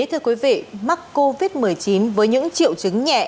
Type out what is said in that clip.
thưa quý vị mắc covid một mươi chín với những triệu chứng nhẹ